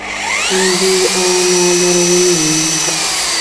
انګور او انار لرغونې میوې دي